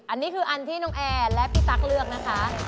อันนี้คืออันที่น้องแอร์และพี่ตั๊กเลือกนะคะ